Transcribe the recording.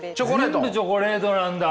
全部チョコレートなんだ。